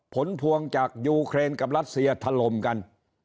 ผลพวงจากยูเครนกับรัสเซียถล่มกัน